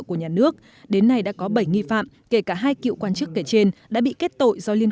của nhà nước đến nay đã có bảy nghi phạm kể cả hai cựu quan chức kể trên đã bị kết tội do liên